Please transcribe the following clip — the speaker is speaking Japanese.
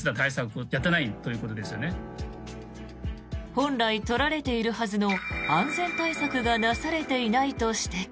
本来、取られているはずの安全対策がなされていないと指摘。